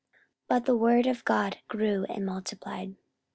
44:012:024 But the word of God grew and multiplied.